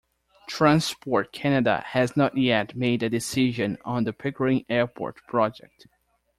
Transport Canada has not yet made a decision on the Pickering Airport project.